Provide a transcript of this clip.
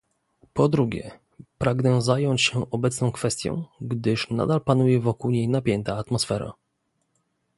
Po drugie, pragnę zająć się obecną kwestią, gdyż nadal panuje wokół niej napięta atmosfera